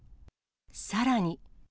さらに。